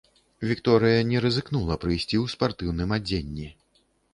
Вікторыя не рызыкнула прыйсці ў спартыўным адзенні.